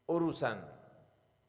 urusan krisis pangan